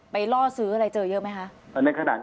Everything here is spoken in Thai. ล่อซื้ออะไรเจอเยอะไหมคะ